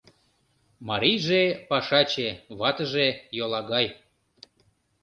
Марийже — пашаче, ватыже — йолагай.